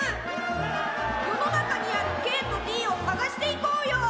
世の中にあるＫとＴを探していこうよ！